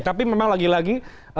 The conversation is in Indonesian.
tapi memang lagi lagi